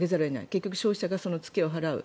結局、消費者がその付けを払う。